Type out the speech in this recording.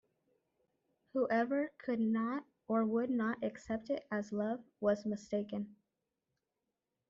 Whoever could not or would not accept it as love was mistaken.